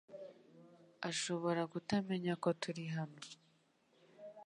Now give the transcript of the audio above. Ashobora kutamenya ko turi hano